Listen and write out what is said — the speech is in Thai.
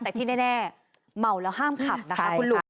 แต่ที่แน่เมาแล้วห้ามขับนะคะคุณลุง